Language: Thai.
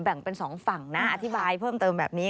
แบ่งเป็นสองฝั่งนะอธิบายเพิ่มเติมแบบนี้